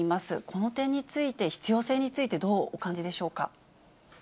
この点について、必要性についてどうお感じでしょうか。